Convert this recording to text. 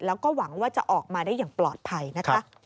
แล้วก็หวังว่าจะออกมาได้อย่างปลอดภัยนะคะ